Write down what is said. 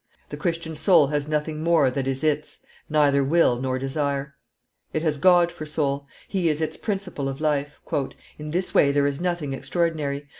The Christian soul has nothing more that is its, neither will nor desire. It has God for soul; He is its principle of life." In this way there is nothing extraordinary.